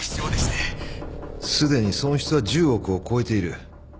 すでに損失は１０億を超えている。